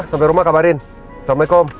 sampai rumah kabarin assalamualaikum